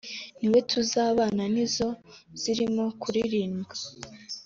niwe tuzabana nizo” zirimo kuririmbwa